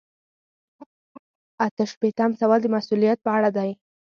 اته شپیتم سوال د مسؤلیت په اړه دی.